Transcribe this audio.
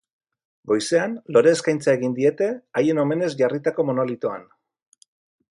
Goizean, lore-eskaintza egin diete haien omenez jarritako monolitoan.